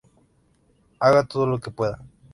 Haga todo lo que pueda!